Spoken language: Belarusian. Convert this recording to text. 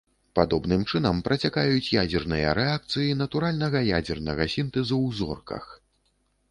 Падобным чынам працякаюць ядзерныя рэакцыі натуральнага ядзернага сінтэзу ў зорках.